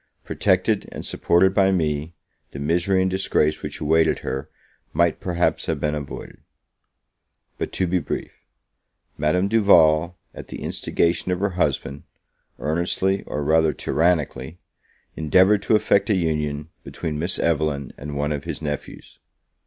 Protected and supported by me, the misery and disgrace which awaited her might perhaps have been avoided. But, to be brief Madame Duval, at the instigation of her husband, earnestly, or rather tyrannically, endeavoured to effect a union between Miss Evelyn and one of his nephews.